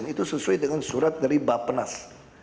itu sesuai dengan surat dari bapenas